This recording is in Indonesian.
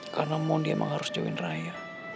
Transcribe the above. karena mondi emang harus join raya